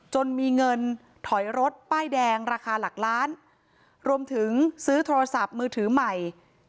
จนมีเงินถอยรถป้ายแดงราคาหลักล้านรวมถึงซื้อโทรศัพท์มือถือใหม่